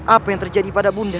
apa yang terjadi pada bunda